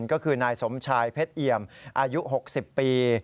ก็คือนายสมชายเพชรเอี่ยมอายุ๖๐ปี